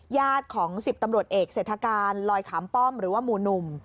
ญาติของ๑๐ตำรวจเอกเศรษฐการลอยขามป้อมหรือว่าหมู่หนุ่ม